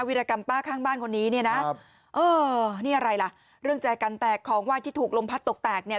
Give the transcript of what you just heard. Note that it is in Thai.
วิรกรรมป้าข้างบ้านคนนี้เนี่ยนะเออนี่อะไรล่ะเรื่องแจกันแตกของไหว้ที่ถูกลมพัดตกแตกเนี่ย